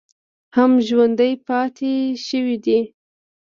هم ژوندی پاتې شوی دی